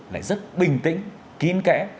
là rất bình tĩnh kín kẽ